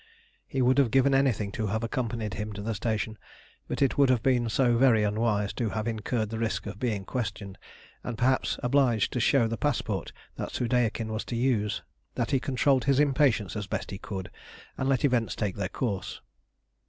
He would have given anything to have accompanied him to the station, but it would have been so very unwise to have incurred the risk of being questioned, and perhaps obliged to show the passport that Soudeikin was to use, that he controlled his impatience as best he could, and let events take their course.